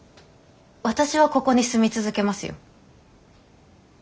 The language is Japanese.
私はここに住み続けますよ。